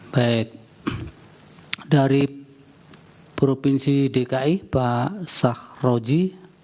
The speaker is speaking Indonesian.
baik dari provinsi dki pak sahroji